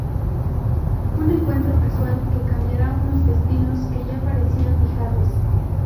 Un encuentro casual que cambiará unos destinos que ya parecían fijados.